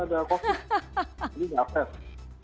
jadi nggak fair